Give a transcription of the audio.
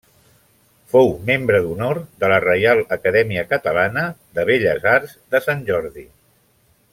Fou membre d'honor de la Reial Acadèmia Catalana de Belles Arts de Sant Jordi.